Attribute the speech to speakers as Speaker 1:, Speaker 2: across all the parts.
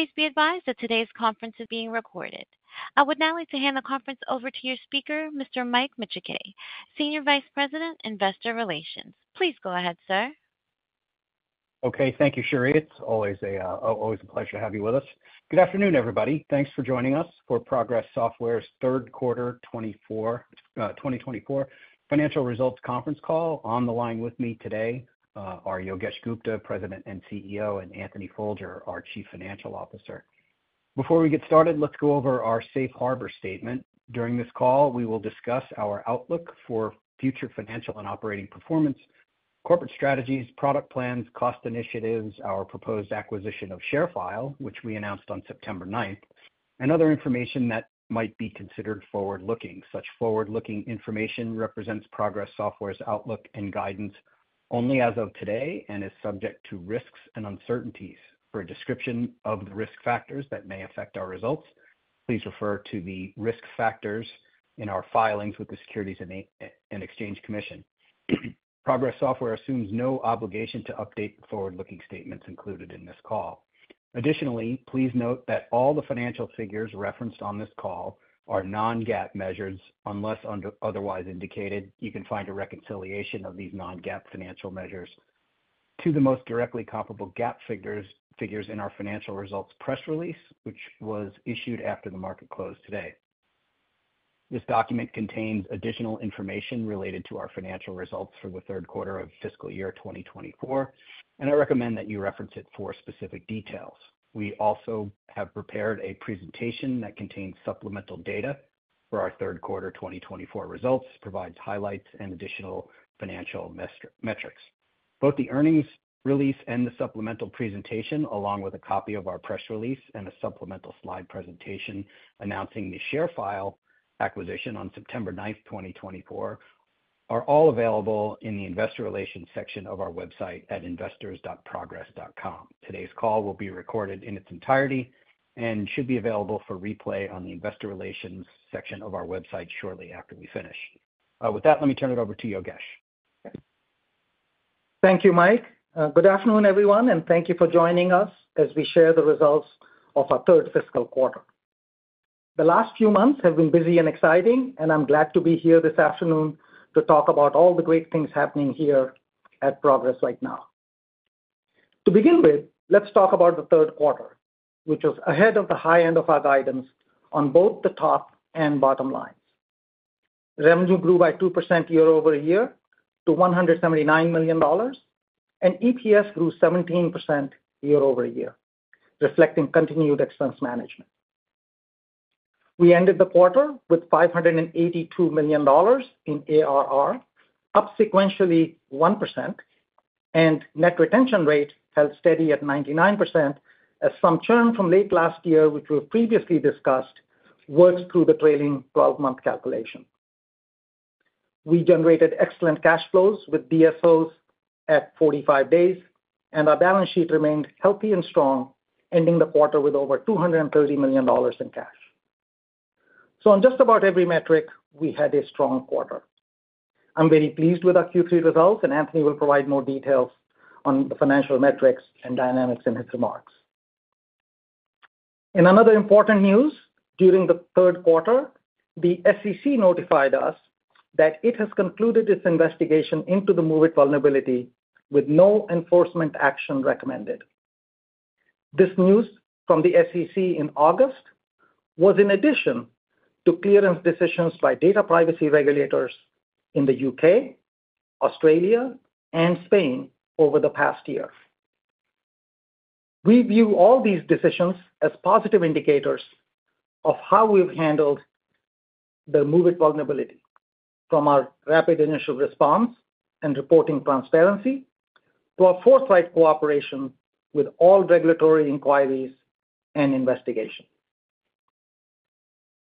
Speaker 1: Please be advised that today's conference is being recorded. I would now like to hand the conference over to your speaker, Mr. Mike Micciche, Senior Vice President, Investor Relations. Please go ahead, sir.
Speaker 2: Okay, thank you, Sherry. It's always a pleasure to have you with us. Good afternoon, everybody. Thanks for joining us for Progress Software's third quarter twenty twenty-four financial results conference call. On the line with me today are Yogesh Gupta, President and CEO, and Anthony Folger, our Chief Financial Officer. Before we get started, let's go over our safe harbor statement. During this call, we will discuss our outlook for future financial and operating performance, corporate strategies, product plans, cost initiatives, our proposed acquisition of ShareFile, which we announced on September ninth, and other information that might be considered forward-looking. Such forward-looking information represents Progress Software's outlook and guidance only as of today and is subject to risks and uncertainties. For a description of the risk factors that may affect our results, please refer to the risk factors in our filings with the Securities and Exchange Commission. Progress Software assumes no obligation to update forward-looking statements included in this call. Additionally, please note that all the financial figures referenced on this call are non-GAAP measures unless otherwise indicated. You can find a reconciliation of these non-GAAP financial measures to the most directly comparable GAAP figures in our financial results press release, which was issued after the market closed today. This document contains additional information related to our financial results for the third quarter of fiscal year twenty twenty-four, and I recommend that you reference it for specific details. We also have prepared a presentation that contains supplemental data for our third quarter twenty twenty-four results, provides highlights and additional financial metrics. Both the earnings release and the supplemental presentation, along with a copy of our press release and a supplemental slide presentation announcing the ShareFile acquisition on September ninth, twenty twenty-four, are all available in the investor relations section of our website at investors.progress.com. Today's call will be recorded in its entirety and should be available for replay on the investor relations section of our website shortly after we finish. With that, let me turn it over to Yogesh.
Speaker 3: Thank you, Mike. Good afternoon, everyone, and thank you for joining us as we share the results of our third fiscal quarter. The last few months have been busy and exciting, and I'm glad to be here this afternoon to talk about all the great things happening here at Progress right now. To begin with, let's talk about the third quarter, which was ahead of the high end of our guidance on both the top and bottom lines. Revenue grew by 2% year-over-year to $179 million, and EPS grew 17% year-over-year, reflecting continued expense management. We ended the quarter with $582 million in ARR, up sequentially 1%, and net retention rate held steady at 99% as some churn from late last year, which we've previously discussed, worked through the trailing twelve-month calculation. We generated excellent cash flows with DSOs at 45 days, and our balance sheet remained healthy and strong, ending the quarter with over $230 million in cash. So on just about every metric, we had a strong quarter. I'm very pleased with our Q3 results, and Anthony will provide more details on the financial metrics and dynamics in his remarks. In another important news, during the third quarter, the SEC notified us that it has concluded its investigation into the MOVEit vulnerability with no enforcement action recommended. This news from the SEC in August was in addition to clearance decisions by data privacy regulators in the U.K., Australia, and Spain over the past year. We view all these decisions as positive indicators of how we've handled the MOVEit vulnerability, from our rapid initial response and reporting transparency to our forthright cooperation with all regulatory inquiries and investigations.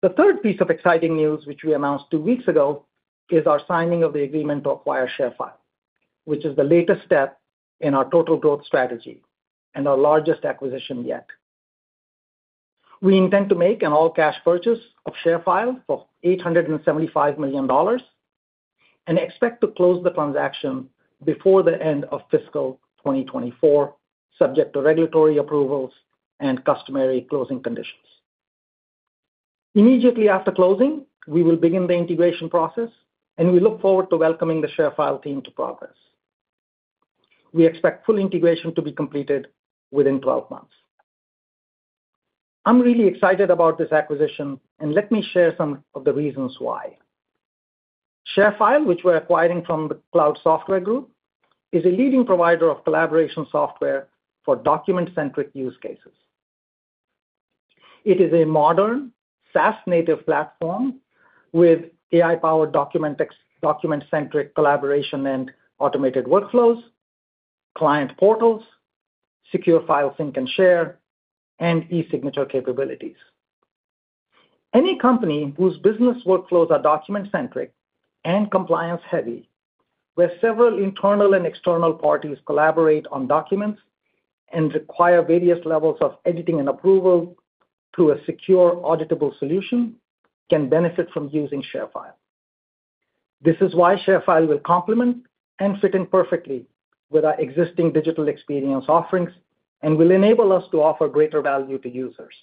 Speaker 3: The third piece of exciting news, which we announced two weeks ago, is our signing of the agreement to acquire ShareFile, which is the latest step in our total growth strategy and our largest acquisition yet. We intend to make an all-cash purchase of ShareFile for $875 million and expect to close the transaction before the end of fiscal 2024, subject to regulatory approvals and customary closing conditions. Immediately after closing, we will begin the integration process, and we look forward to welcoming the ShareFile team to Progress. We expect full integration to be completed within twelve months. I'm really excited about this acquisition, and let me share some of the reasons why. ShareFile, which we're acquiring from the Cloud Software Group, is a leading provider of collaboration software for document-centric use cases. It is a modern, SaaS-native platform with AI-powered document-centric collaboration and automated workflows, client portals, secure file sync and share, and e-signature capabilities. Any company whose business workflows are document-centric and compliance-heavy, where several internal and external parties collaborate on documents and require various levels of editing and approval through a secure, auditable solution, can benefit from using ShareFile.... This is why ShareFile will complement and fit in perfectly with our existing digital experience offerings and will enable us to offer greater value to users.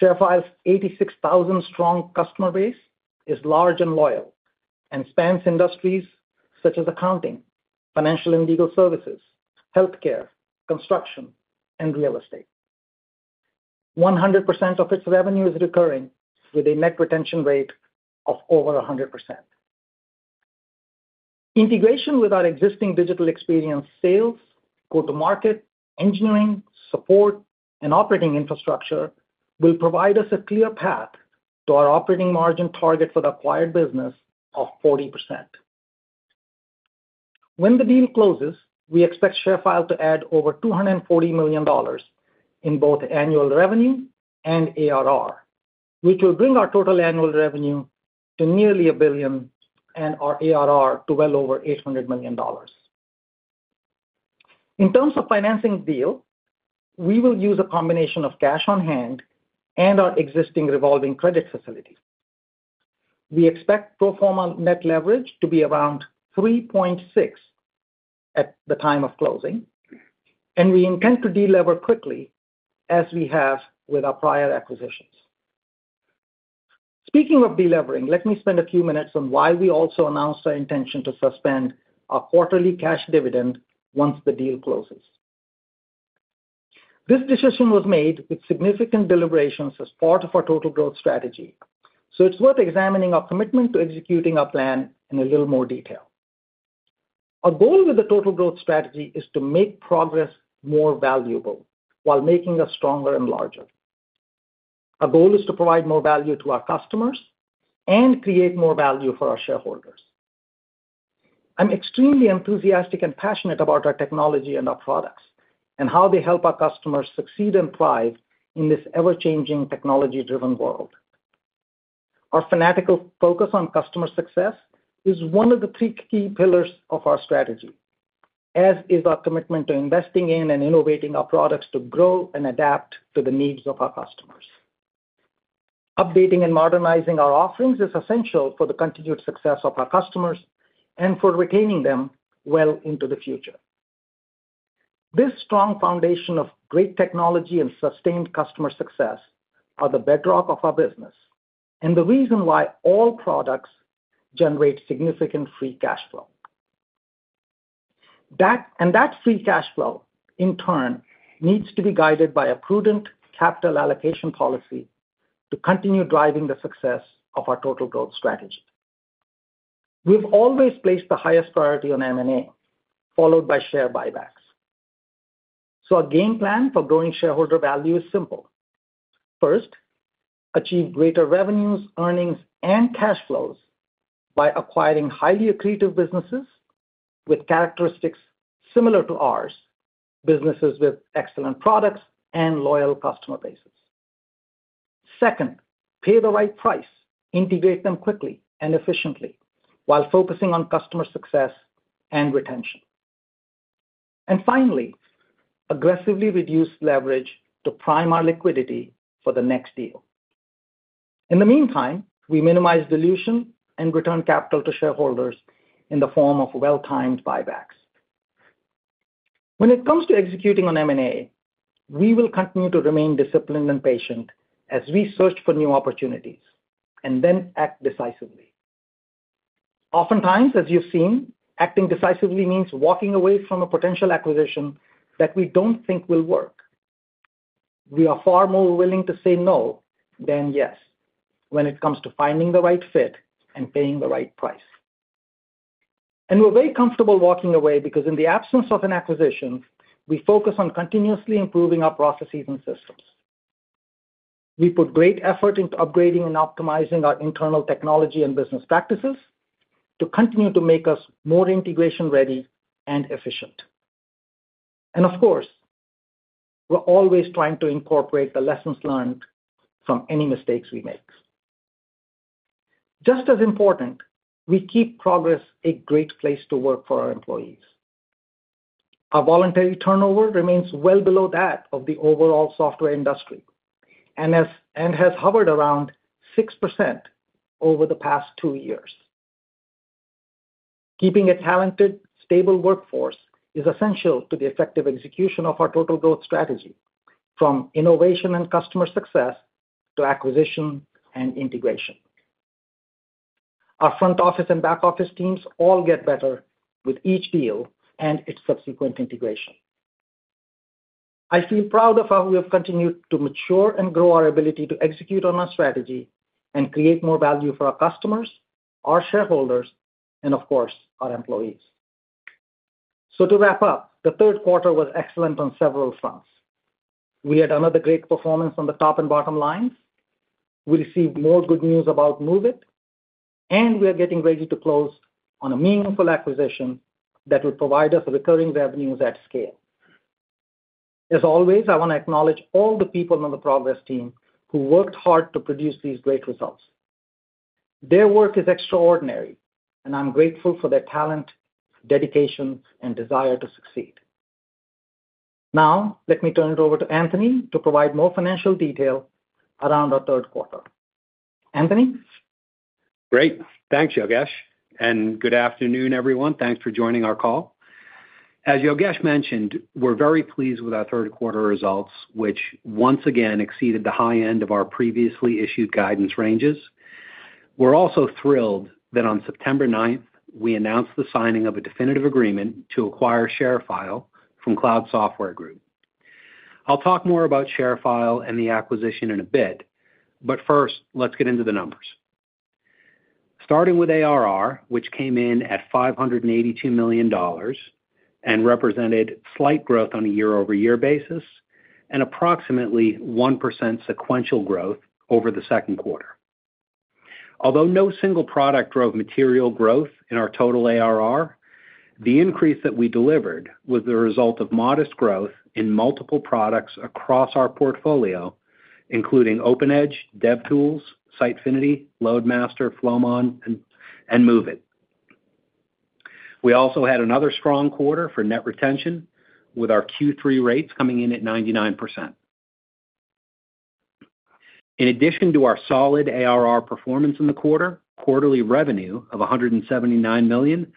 Speaker 3: ShareFile's eighty-six thousand strong customer base is large and loyal, and spans industries such as accounting, financial and legal services, healthcare, construction, and real estate. 100% of its revenue is recurring, with a net retention rate of over 100%. Integration with our existing digital experience sales, go-to-market, engineering, support, and operating infrastructure will provide us a clear path to our operating margin target for the acquired business of 40%. When the deal closes, we expect ShareFile to add over $240 million in both annual revenue and ARR, which will bring our total annual revenue to nearly a billion and our ARR to well over $800 million. In terms of financing the deal, we will use a combination of cash on hand and our existing revolving credit facility. We expect pro forma net leverage to be around 3.6 at the time of closing, and we intend to delever quickly as we have with our prior acquisitions. Speaking of delevering, let me spend a few minutes on why we also announced our intention to suspend our quarterly cash dividend once the deal closes. This decision was made with significant deliberations as part of our total growth strategy, so it's worth examining our commitment to executing our plan in a little more detail. Our goal with the total growth strategy is to make Progress more valuable while making us stronger and larger. Our goal is to provide more value to our customers and create more value for our shareholders. I'm extremely enthusiastic and passionate about our technology and our products, and how they help our customers succeed and thrive in this ever-changing, technology-driven world. Our fanatical focus on customer success is one of the three key pillars of our strategy, as is our commitment to investing in and innovating our products to grow and adapt to the needs of our customers. Updating and modernizing our offerings is essential for the continued success of our customers and for retaining them well into the future. This strong foundation of great technology and sustained customer success are the bedrock of our business, and the reason why all products generate significant free cash flow. And that free cash flow, in turn, needs to be guided by a prudent capital allocation policy to continue driving the success of our total growth strategy. We've always placed the highest priority on M&A, followed by share buybacks. So our game plan for growing shareholder value is simple. First, achieve greater revenues, earnings, and cash flows by acquiring highly accretive businesses with characteristics similar to ours, businesses with excellent products and loyal customer bases. Second, pay the right price, integrate them quickly and efficiently, while focusing on customer success and retention. And finally, aggressively reduce leverage to prime our liquidity for the next deal. In the meantime, we minimize dilution and return capital to shareholders in the form of well-timed buybacks. When it comes to executing on M&A, we will continue to remain disciplined and patient as we search for new opportunities, and then act decisively. Oftentimes, as you've seen, acting decisively means walking away from a potential acquisition that we don't think will work. We are far more willing to say no than yes when it comes to finding the right fit and paying the right price. We're very comfortable walking away, because in the absence of an acquisition, we focus on continuously improving our processes and systems. We put great effort into upgrading and optimizing our internal technology and business practices to continue to make us more integration-ready and efficient. Of course, we're always trying to incorporate the lessons learned from any mistakes we make. Just as important, we keep Progress a great place to work for our employees. Our voluntary turnover remains well below that of the overall software industry, and has hovered around 6% over the past two years. Keeping a talented, stable workforce is essential to the effective execution of our total growth strategy, from innovation and customer success to acquisition and integration. Our front office and back office teams all get better with each deal and its subsequent integration. I feel proud of how we have continued to mature and grow our ability to execute on our strategy and create more value for our customers, our shareholders, and of course, our employees. So to wrap up, the third quarter was excellent on several fronts. We had another great performance on the top and bottom lines. We received more good news about MOVEit, and we are getting ready to close on a meaningful acquisition that will provide us recurring revenues at scale. As always, I want to acknowledge all the people on the Progress team who worked hard to produce these great results. Their work is extraordinary, and I'm grateful for their talent, dedication, and desire to succeed. Now, let me turn it over to Anthony to provide more financial detail around our third quarter. Anthony?
Speaker 4: Great! Thanks, Yogesh, and good afternoon, everyone. Thanks for joining our call. As Yogesh mentioned, we're very pleased with our third quarter results, which once again exceeded the high end of our previously issued guidance ranges. We're also thrilled that on September ninth, we announced the signing of a definitive agreement to acquire ShareFile from Cloud Software Group. I'll talk more about ShareFile and the acquisition in a bit, but first, let's get into the numbers. Starting with ARR, which came in at $582 million, and represented slight growth on a year-over-year basis, and approximately 1% sequential growth over the second quarter. Although no single product drove material growth in our total ARR, the increase that we delivered was the result of modest growth in multiple products across our portfolio, including OpenEdge, DevTools, Sitefinity, LoadMaster, Flowmon, and MOVEit. We also had another strong quarter for net retention, with our Q3 rates coming in at 99%. In addition to our solid ARR performance in the quarter, quarterly revenue of $179 million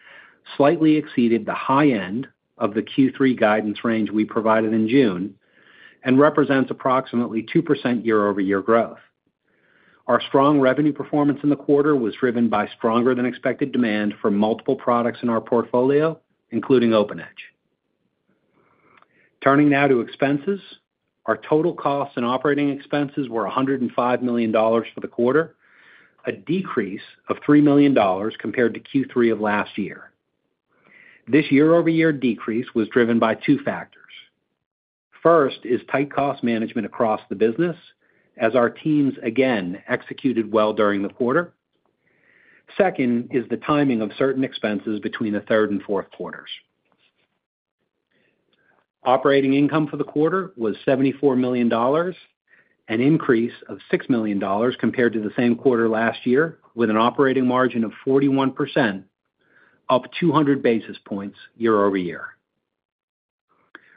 Speaker 4: slightly exceeded the high end of the Q3 guidance range we provided in June, and represents approximately 2% year-over-year growth. Our strong revenue performance in the quarter was driven by stronger than expected demand for multiple products in our portfolio, including OpenEdge. Turning now to expenses. Our total costs and operating expenses were $105 million for the quarter, a decrease of $3 million compared to Q3 of last year. This year-over-year decrease was driven by two factors. First is tight cost management across the business, as our teams again executed well during the quarter. Second is the timing of certain expenses between the third and fourth quarters. Operating income for the quarter was $74 million, an increase of $6 million compared to the same quarter last year, with an operating margin of 41%, up 200 basis points year-over-year.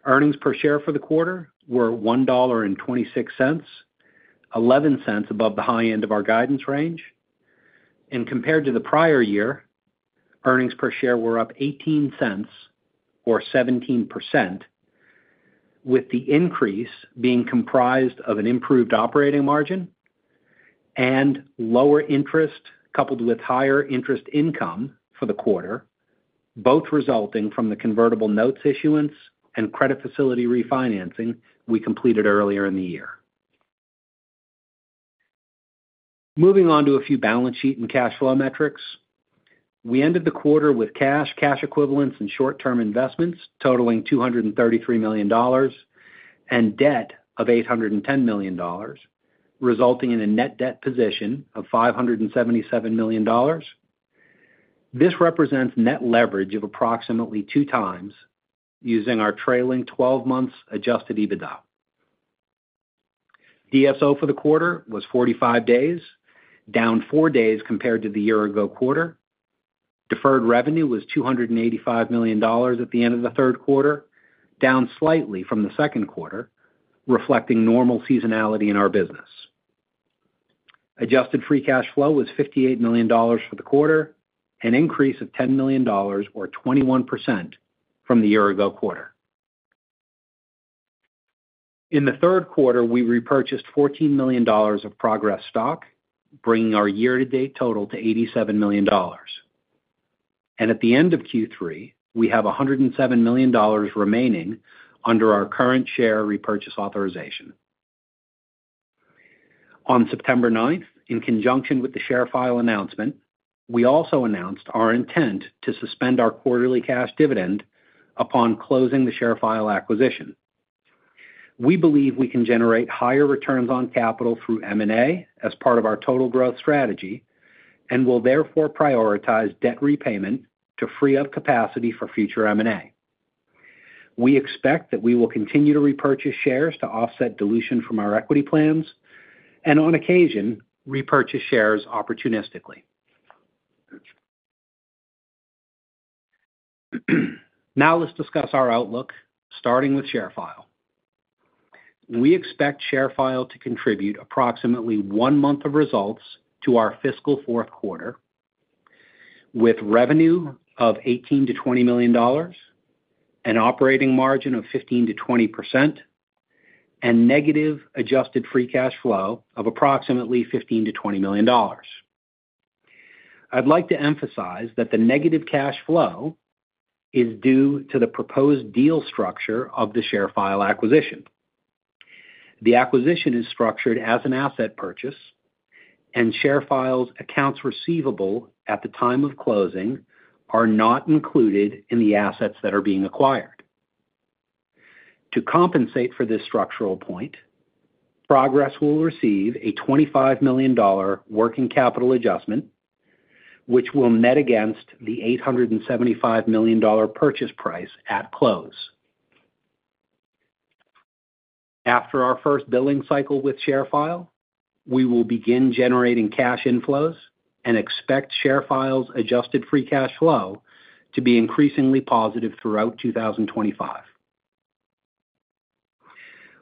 Speaker 4: Earnings per share for the quarter were $1.26, 11 cents above the high end of our guidance range, and compared to the prior year, earnings per share were up 18 cents or 17%, with the increase being comprised of an improved operating margin and lower interest, coupled with higher interest income for the quarter, both resulting from the convertible notes issuance and credit facility refinancing we completed earlier in the year. Moving on to a few balance sheet and cash flow metrics. We ended the quarter with cash, cash equivalents, and short-term investments totaling $233 million and debt of $810 million, resulting in a net debt position of $577 million. This represents net leverage of approximately two times using our trailing-twelve-months Adjusted EBITDA. DSO for the quarter was 45 days, down four days compared to the year ago quarter. Deferred revenue was $285 million at the end of the third quarter, down slightly from the second quarter, reflecting normal seasonality in our business. Adjusted free cash flow was $58 million for the quarter, an increase of $10 million or 21% from the year ago quarter. In the third quarter, we repurchased $14 million of Progress stock, bringing our year-to-date total to $87 million. At the end of Q3, we have $107 million remaining under our current share repurchase authorization. On September ninth, in conjunction with the ShareFile announcement, we also announced our intent to suspend our quarterly cash dividend upon closing the ShareFile acquisition. We believe we can generate higher returns on capital through M&A as part of our total growth strategy, and will therefore prioritize debt repayment to free up capacity for future M&A. We expect that we will continue to repurchase shares to offset dilution from our equity plans and on occasion, repurchase shares opportunistically. Now, let's discuss our outlook, starting with ShareFile. We expect ShareFile to contribute approximately one month of results to our fiscal fourth quarter, with revenue of $18-$20 million, an operating margin of 15%-20%, and negative adjusted free cash flow of approximately $15-$20 million. I'd like to emphasize that the negative cash flow is due to the proposed deal structure of the ShareFile acquisition. The acquisition is structured as an asset purchase, and ShareFile's accounts receivable at the time of closing are not included in the assets that are being acquired. To compensate for this structural point, Progress will receive a $25 million working capital adjustment, which will net against the $875 million purchase price at close. After our first billing cycle with ShareFile, we will begin generating cash inflows and expect ShareFile's adjusted free cash flow to be increasingly positive throughout 2025.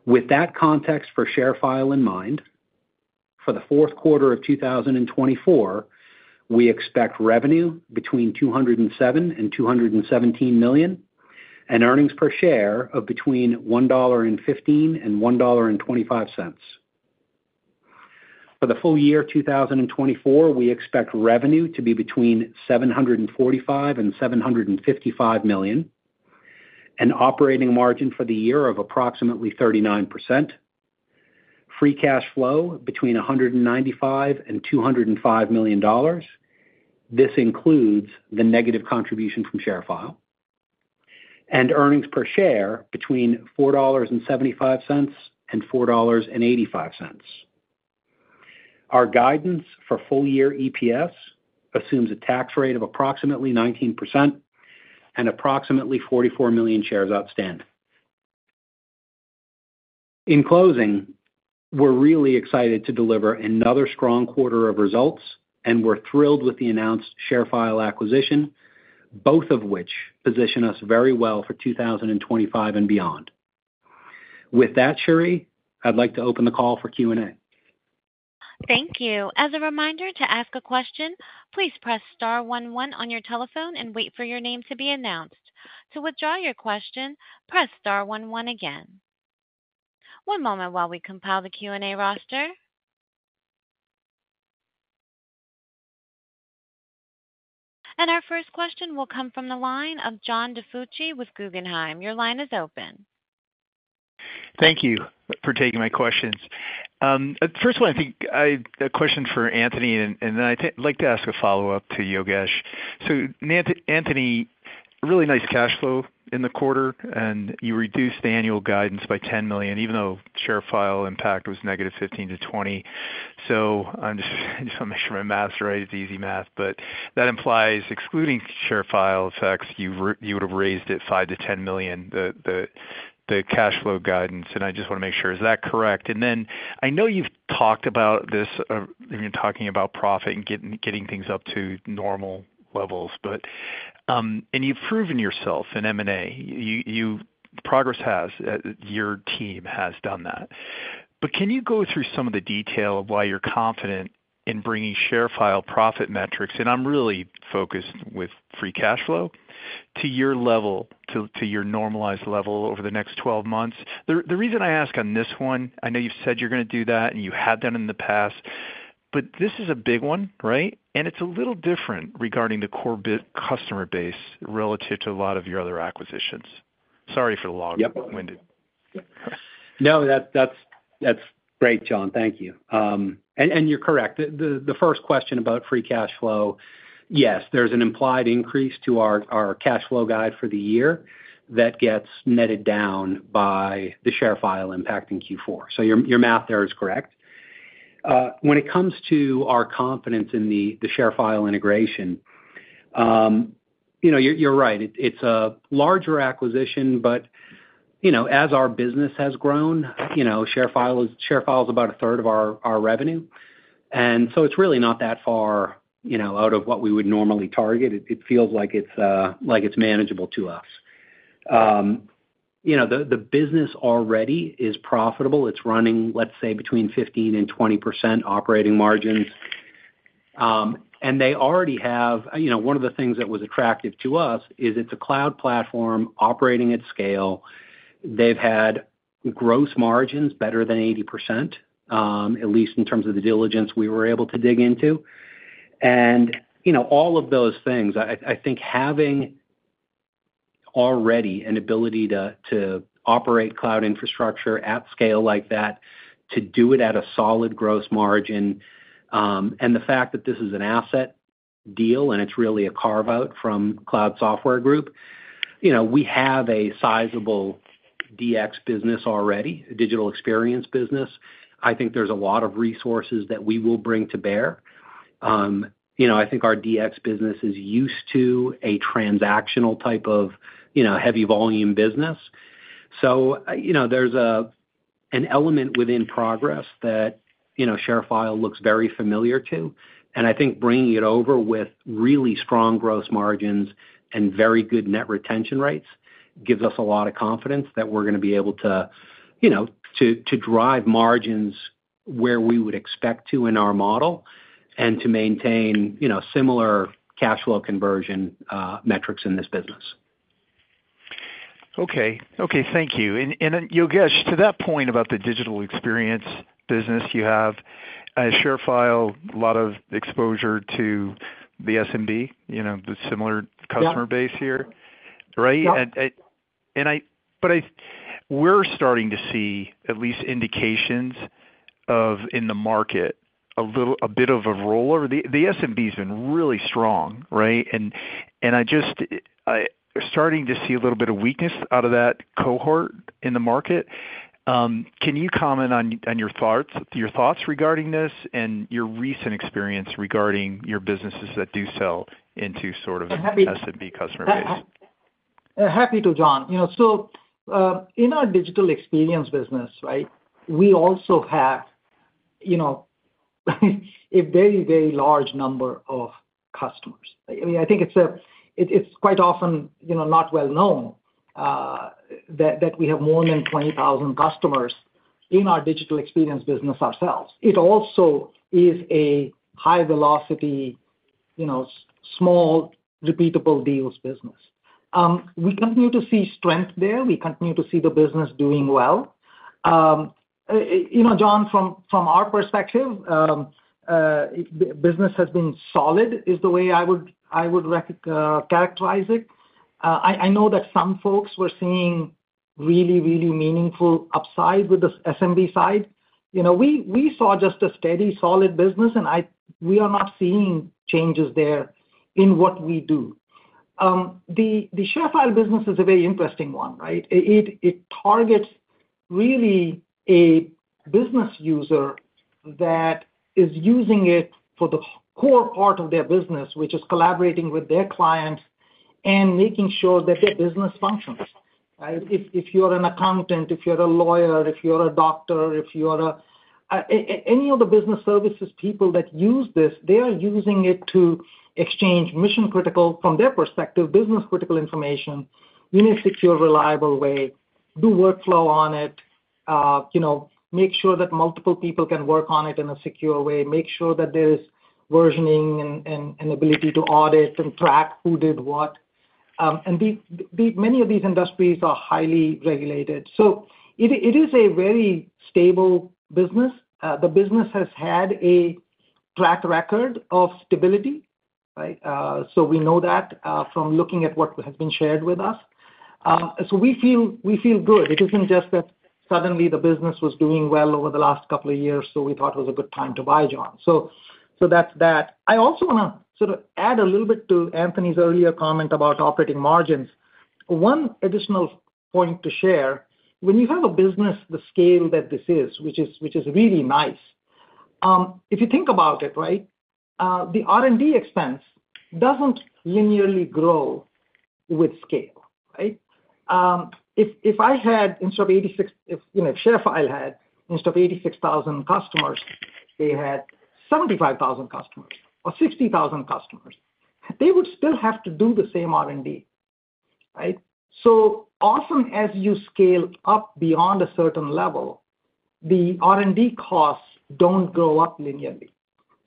Speaker 4: With that context for ShareFile in mind, for the fourth quarter of 2024, we expect revenue between $207 million and $217 million, and earnings per share of between $1.15 and $1.25. For the full year 2024, we expect revenue to be between $745 million and $755 million, an operating margin for the year of approximately 39%, free cash flow between $195 million and $205 million. This includes the negative contribution from ShareFile, and earnings per share between $4.75 and $4.85. Our guidance for full year EPS assumes a tax rate of approximately 19% and approximately 44 million shares outstanding. In closing, we're really excited to deliver another strong quarter of results, and we're thrilled with the announced ShareFile acquisition, both of which position us very well for 2025 and beyond. With that, Sherry, I'd like to open the call for Q&A.
Speaker 1: Thank you. As a reminder to ask a question, please press star one one on your telephone and wait for your name to be announced. To withdraw your question, press star one one again. One moment while we compile the Q&A roster, and our first question will come from the line of John DiFucci with Guggenheim. Your line is open.
Speaker 5: Thank you for taking my questions. First of all, I think I a question for Anthony, and then I'd like to ask a follow-up to Yogesh. Anthony, really nice cash flow in the quarter, and you reduced the annual guidance by $10 million, even though ShareFile impact was negative $15-20 million, so I'm just want to make sure my math is right. It's easy math, but that implies excluding ShareFile effects, you would have raised it $5-10 million, the cash flow guidance, and I just want to make sure, is that correct? And then I know you've talked about this, when you're talking about profit and getting things up to normal levels, but, and you've proven yourself in M&A. You Progress has, your team has done that. But can you go through some of the detail of why you're confident in bringing ShareFile profit metrics, and I'm really focused with free cash flow, to your level, to your normalized level over the next twelve months? The reason I ask on this one, I know you've said you're going to do that, and you have done in the past, but this is a big one, right? And it's a little different regarding the core customer base relative to a lot of your other acquisitions. Sorry for the long-winded.
Speaker 4: No, that's great, John. Thank you. You're correct. The first question about free cash flow, yes, there's an implied increase to our cash flow guide for the year that gets netted down by the ShareFile impact in Q4. So your math there is correct. When it comes to our confidence in the ShareFile integration, you know, you're right. It's a larger acquisition, but you know, as our business has grown, you know, ShareFile is about a third of our revenue. And so it's really not that far, you know, out of what we would normally target. It feels like it's manageable to us. You know, the business already is profitable. It's running, let's say, between 15%-20% operating margins. And they already have... You know, one of the things that was attractive to us is it's a cloud platform operating at scale. They've had gross margins better than 80%, at least in terms of the diligence we were able to dig into, and you know, all of those things. I think having already an ability to operate cloud infrastructure at scale like that, to do it at a solid gross margin, and the fact that this is an asset deal, and it's really a carve-out from Cloud Software Group, you know, we have a sizable DX business already, a digital experience business. I think there's a lot of resources that we will bring to bear. You know, I think our DX business is used to a transactional type of, you know, heavy volume business. So, you know, there's an element within Progress that, you know, ShareFile looks very familiar to, and I think bringing it over with really strong gross margins and very good net retention rates, gives us a lot of confidence that we're gonna be able to, you know, to drive margins where we would expect to in our model and to maintain, you know, similar cash flow conversion metrics in this business.
Speaker 5: Okay. Okay, thank you. And then Yogesh, to that point about the digital experience business, you have a ShareFile, a lot of exposure to the SMB, you know, the similar-
Speaker 4: Yeah.
Speaker 5: customer base here, right?
Speaker 4: Yeah.
Speaker 5: We're starting to see at least indications of a little bit of a rollover in the market. The SMB's been really strong, right? I'm starting to see a little bit of weakness out of that cohort in the market. Can you comment on your thoughts regarding this and your recent experience regarding your businesses that do sell into sort of the SMB customer base?
Speaker 3: Happy to, John. You know, so in our digital experience business, right? We also have, you know, a very, very large number of customers. I mean, I think it's quite often, you know, not well known that we have more than 20,000 customers in our digital experience business ourselves. It also is a high velocity, you know, small, repeatable deals business. We continue to see strength there. We continue to see the business doing well. You know, John, from our perspective, business has been solid, is the way I would characterize it. I know that some folks were seeing really, really meaningful upside with the SMB side. You know, we saw just a steady, solid business, and we are not seeing changes there in what we do. The ShareFile business is a very interesting one, right? It targets really a business user that is using it for the core part of their business, which is collaborating with their clients and making sure that their business functions, right? If you're an accountant, if you're a lawyer, if you're a doctor, if you are any of the business services people that use this, they are using it to exchange mission-critical, from their perspective, business-critical information in a secure, reliable way, do workflow on it, you know, make sure that multiple people can work on it in a secure way, make sure that there's versioning and ability to audit and track who did what. And these many of these industries are highly regulated. So it is a very stable business. The business has had a track record of stability, right? So we know that from looking at what has been shared with us. So we feel good. It isn't just that suddenly the business was doing well over the last couple of years, so we thought it was a good time to buy, John. So that's that. I also wanna sort of add a little bit to Anthony's earlier comment about operating margins. One additional point to share, when you have a business the scale that this is, which is really nice, if you think about it, right, the R&D expense doesn't linearly grow with scale, right? If I had instead of 86 thousand customers, if you know, ShareFile had, instead of 86 thousand customers, they had 75 thousand customers or 60 thousand customers, they would still have to do the same R&D, right? So often as you scale up beyond a certain level, the R&D costs don't go up linearly.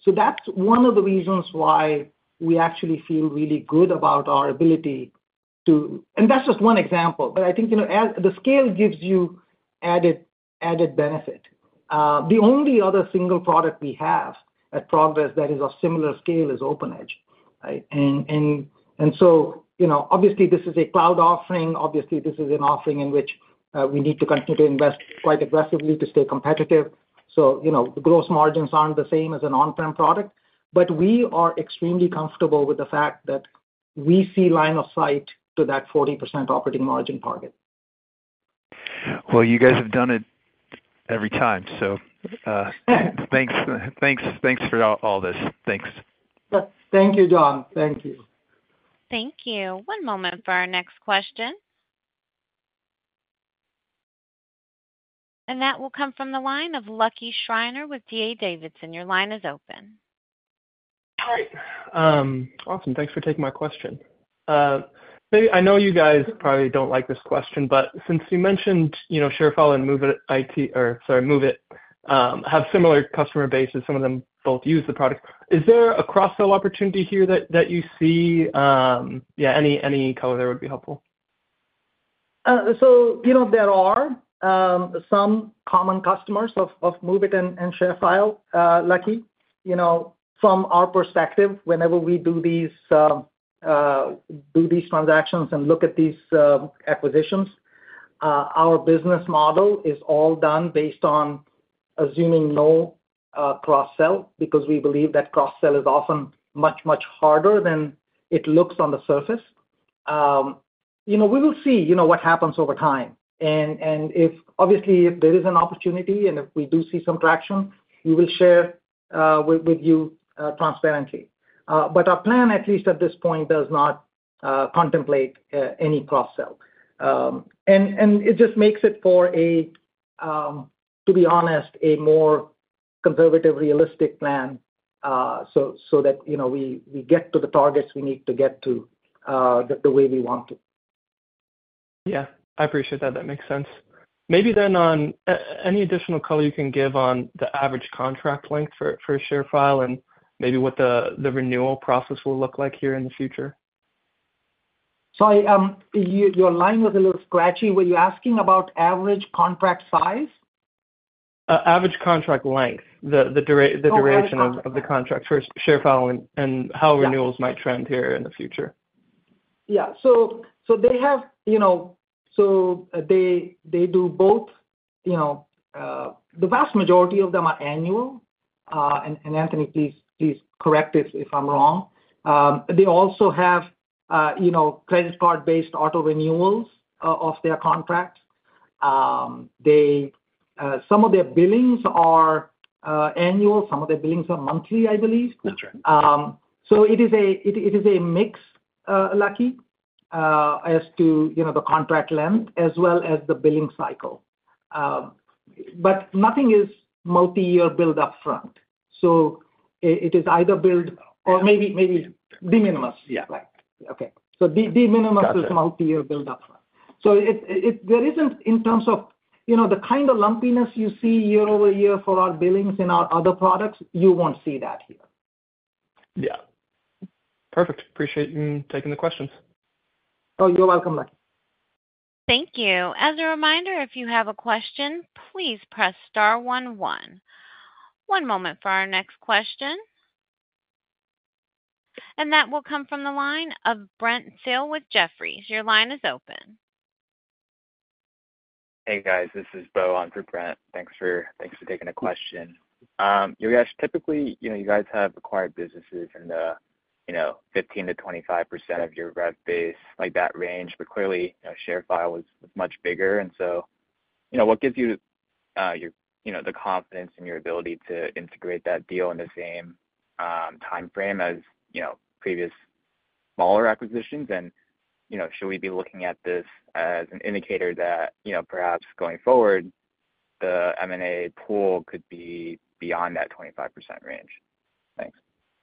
Speaker 3: So that's one of the reasons why we actually feel really good about our ability to. And that's just one example, but I think, you know, as the scale gives you added benefit. The only other single product we have at Progress that is of similar scale is OpenEdge, right? And so, you know, obviously, this is a cloud offering. Obviously, this is an offering in which we need to continue to invest quite aggressively to stay competitive. So, you know, the gross margins aren't the same as an on-prem product, but we are extremely comfortable with the fact that we see line of sight to that 40% operating margin target.
Speaker 5: You guys have done it every time. Thanks, thanks, thanks for all this. Thanks.
Speaker 3: Thank you, John. Thank you.
Speaker 1: Thank you. One moment for our next question. And that will come from the line of Lucky Schreiner with D.A. Davidson. Your line is open.
Speaker 6: Hi. Awesome, thanks for taking my question, so I know you guys probably don't like this question, but since you mentioned, you know, ShareFile and MOVEit have similar customer bases, some of them both use the product. Is there a cross-sell opportunity here that you see? Yeah, any color there would be helpful.
Speaker 3: So you know, there are some common customers of MOVEit and ShareFile, Lucky. You know, from our perspective, whenever we do these do these transactions and look at these acquisitions, our business model is all done based on assuming no cross-sell, because we believe that cross-sell is often much, much harder than it looks on the surface. You know, we will see, you know, what happens over time. If... Obviously, if there is an opportunity and if we do see some traction, we will share with you transparently. But our plan, at least at this point, does not contemplate any cross-sell. And it just makes it for a more conservative, realistic plan, to be honest, so that you know we get to the targets we need to get to, the way we want to.
Speaker 6: Yeah, I appreciate that. That makes sense. Maybe then on any additional color you can give on the average contract length for ShareFile, and maybe what the renewal process will look like here in the future?
Speaker 3: Sorry, your line was a little scratchy. Were you asking about average contract size?
Speaker 6: Average contract length, the dura-
Speaker 3: Oh, average contract length.
Speaker 6: The duration of the contract for ShareFile and how-
Speaker 3: Yeah
Speaker 6: Renewals might trend here in the future.
Speaker 3: Yeah. So, so they have, you know, so they, they do both, you know, the vast majority of them are annual. And, and Anthony, please, please correct if, if I'm wrong. They also have, you know, credit card-based auto renewals of their contracts. They, some of their billings are annual, some of their billings are monthly, I believe.
Speaker 4: That's right.
Speaker 3: So it is a mix, Lucky, as to, you know, the contract length as well as the billing cycle. But nothing is multi-year billed up front. So it is either billed or maybe de minimis.
Speaker 4: Yeah.
Speaker 3: Right. Okay. So de minimis-
Speaker 4: Got you.
Speaker 3: is multi-year billed up front. So it, there isn't in terms of, you know, the kind of lumpiness you see year-over-year for our billings in our other products, you won't see that here.
Speaker 4: Yeah. Perfect. Appreciate you taking the questions.
Speaker 3: Oh, you're welcome, Lucky.
Speaker 1: Thank you. As a reminder, if you have a question, please press star one, one. One moment for our next question. And that will come from the line of Brent Thill with Jefferies. Your line is open.
Speaker 7: Hey, guys, this is Bo on for Brent. Thanks for, thanks for taking the question. You guys typically, you know, you guys have acquired businesses in the, you know, 15%-25% of your rev base, like that range, but clearly, you know, ShareFile was, was much bigger. And so, you know, what gives you your, you know, the confidence in your ability to integrate that deal in the same timeframe as, you know, previous smaller acquisitions? And, you know, should we be looking at this as an indicator that, you know, perhaps going forward, the M&A pool could be beyond that 25% range? Thanks.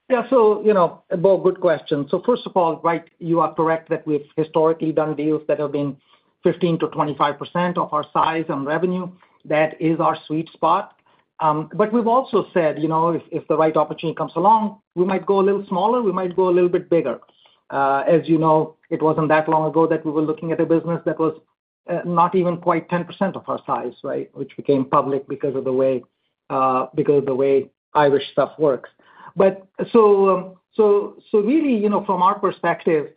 Speaker 3: Yeah. So, you know, Bo, good question. So first of all, right, you are correct that we've historically done deals that have been 15%-25% of our size and revenue. That is our sweet spot. But we've also said, you know, if the right opportunity comes along, we might go a little smaller, we might go a little bit bigger. As you know, it wasn't that long ago that we were looking at a business that was not even quite 10% of our size, right? Which became public because of the way Irish stuff works. But so really, you know, from our perspective,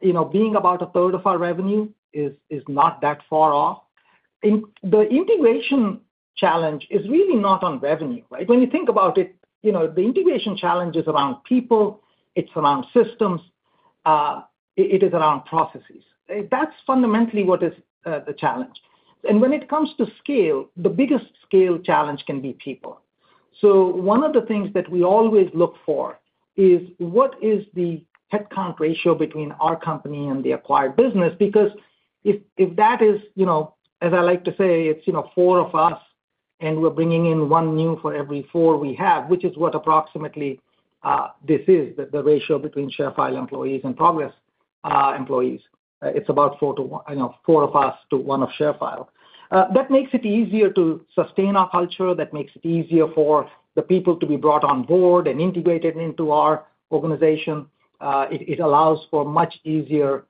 Speaker 3: you know, being about a third of our revenue is not that far off. The integration challenge is really not on revenue, right? When you think about it, you know, the integration challenge is around people, it's around systems, it is around processes. That's fundamentally what is the challenge. And when it comes to scale, the biggest scale challenge can be people. So one of the things that we always look for is what is the headcount ratio between our company and the acquired business? Because if that is, you know, as I like to say, it's, you know, four of us, and we're bringing in one new for every four we have, which is what approximately this is, the ratio between ShareFile employees and Progress employees. It's about four to one. You know, four of us to one of ShareFile. That makes it easier to sustain our culture, that makes it easier for the people to be brought on board and integrated into our organization. It allows for much easier,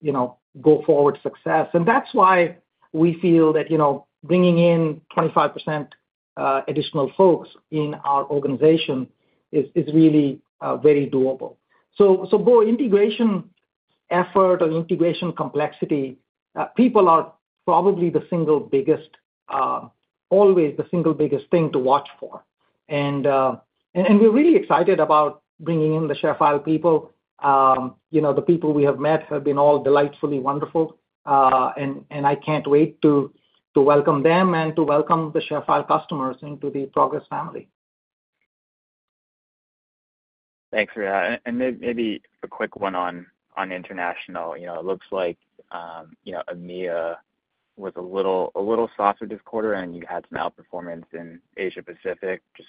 Speaker 3: you know, go-forward success. And that's why we feel that, you know, bringing in 25% additional folks in our organization is really very doable. So, Bo, integration effort or integration complexity, people are probably always the single biggest thing to watch for. And we're really excited about bringing in the ShareFile people. You know, the people we have met have been all delightfully wonderful, and I can't wait to welcome them and to welcome the ShareFile customers into the Progress family. Thanks for that, and maybe a quick one on international. You know, it looks like, you know, EMEA was a little softer this quarter, and you had some outperformance in Asia Pacific. Just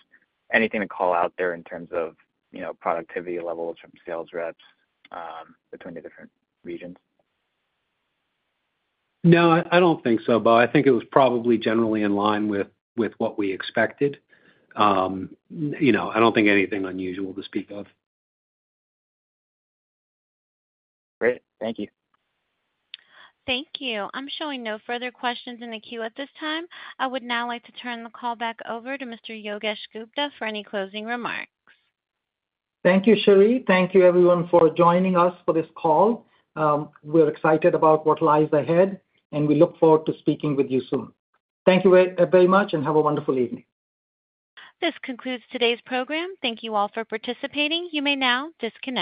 Speaker 3: anything to call out there in terms of, you know, productivity levels from sales reps between the different regions?
Speaker 4: No, I don't think so, Bo. I think it was probably generally in line with what we expected. You know, I don't think anything unusual to speak of.
Speaker 7: Great. Thank you.
Speaker 1: Thank you. I'm showing no further questions in the queue at this time. I would now like to turn the call back over to Mr. Yogesh Gupta for any closing remarks.
Speaker 3: Thank you, Sherry. Thank you everyone for joining us for this call. We're excited about what lies ahead, and we look forward to speaking with you soon. Thank you very, very much, and have a wonderful evening.
Speaker 1: This concludes today's program. Thank you all for participating. You may now disconnect.